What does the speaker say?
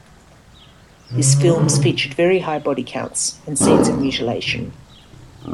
His films featured very high body counts and scenes of mutilation.